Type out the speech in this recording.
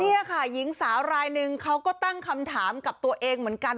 นี่ค่ะหญิงสาวรายหนึ่งเขาก็ตั้งคำถามกับตัวเองเหมือนกัน